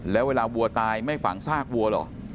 แล้วเวลาวัวตายไม่ฝังซากวัวเหรอ